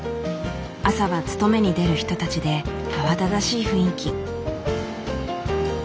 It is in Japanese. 朝は勤めに出る人たちで慌ただしい雰囲気。